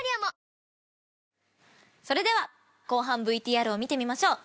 それでは後半ＶＴＲを見てみましょう。